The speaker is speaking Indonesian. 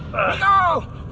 kalau itu tujuanku